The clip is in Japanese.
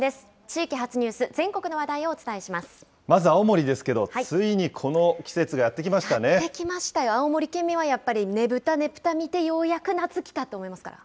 地域発ニュース、全国の話題をおまず青森ですけど、ついにこやって来ましたよ、青森県民はやっぱり、ねぶた、ねぷた見て、ようやく夏来って思いますから。